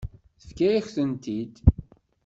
Tefka-yak-tent-id.